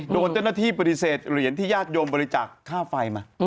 โดนเจ้าหน้าที่ปฏิเสธเหรียญที่ยาชโยมบริจักษ์ข้าวไฟมา